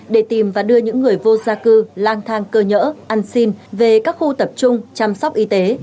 để tìm và đưa những người vô gia cư lang thang cơ nhỡ ăn xin về các khu tập trung chăm sóc y tế